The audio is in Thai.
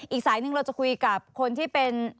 อีกสายหนึ่งเราจะคุยกับคนที่เป็น